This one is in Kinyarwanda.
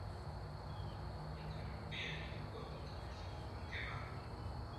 Mwikarago yamenye ko atameze nkabandi bana.